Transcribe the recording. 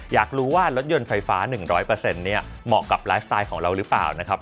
อยากรู้ว่ารถยนต์ไฟฟ้า๑๐๐เนี่ยเหมาะกับไลฟ์สไตล์ของเราหรือเปล่านะครับ